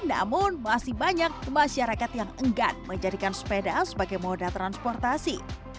namun masih banyak masyarakat yang enggan menjadikan sepeda sebagai moda transportasi